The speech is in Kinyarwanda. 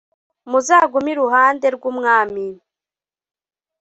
Muzagume iruhande rw umwami